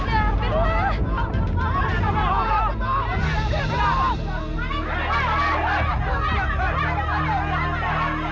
dia harus bertolong jawab dia harus bertolong jawab